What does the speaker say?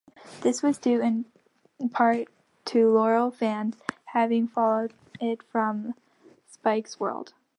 This was due in part to loyal fans having followed it from Spike's World.